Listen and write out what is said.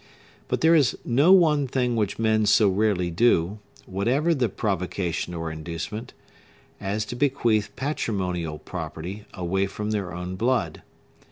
But there is no one thing which men so rarely do, whatever the provocation or inducement, as to bequeath patrimonial property away from their own blood.